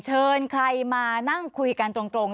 เชิญใครมานั่งคุยกันตรง